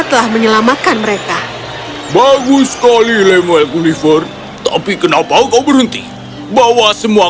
telah menyelamatkan mereka bagus sekali lemuel gulliver tapi kenapa kau berhenti bawa semua